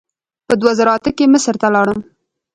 په دوه زره اته کې مصر ته لاړم.